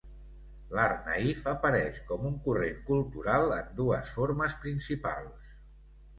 L'art naïf apareix com un corrent cultural en dues formes principals.